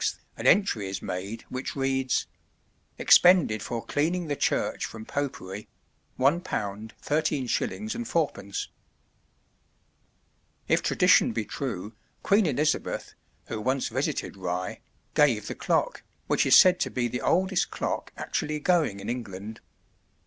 an entry is made, which reads: "Expended for cleaning the church from Popery, £1 13s. 4d." [Illustration: On Rye Chvrch] If tradition be true, Queen Elizabeth (who once visited Rye) gave the clock, which is said to be the oldest clock actually going in England.